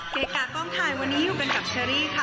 เกกากล้องไทยวันนี้อยู่กันกับเชอรี่ค่ะ